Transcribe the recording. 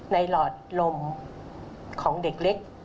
หลอดลมของเด็กเล็ก